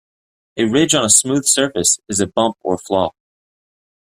A ridge on a smooth surface is a bump or flaw.